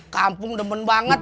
kampung demen banget